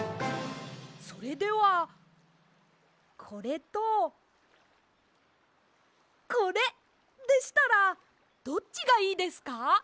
それではこれとこれでしたらどっちがいいですか？